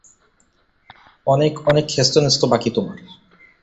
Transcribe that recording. অনেক অনেক হেস্তনেস্ত বাকি তোমার।